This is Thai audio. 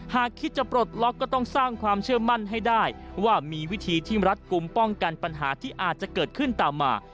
หากคิดจะปลดล็อกก็ต้องสร้างความเชื่อมั่นให้ได้ว่ามีวิธีที่รัฐกลุ่มป้องกันปัญหาที่อาจจะเกิดขึ้นตามมา